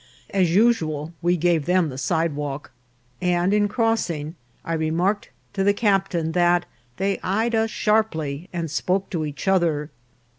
As usual, we gave them the sidewalk, and in crossing I remarked to the captain that they eyed us sharply and spoke to each other.